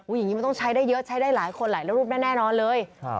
อย่างนี้มันต้องใช้ได้เยอะใช้ได้หลายคนหลายรูปแน่นอนเลย